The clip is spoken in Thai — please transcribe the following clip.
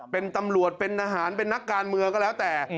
เป็นตำรวจเป็นทหารเป็นนักการเมืองก็แล้วแต่